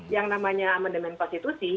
yang namanya amendement konstitusi